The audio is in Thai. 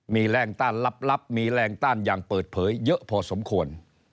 มีแรงต้านลับมีแรงต้านอย่างเปิดเผยเยอะพอสมควร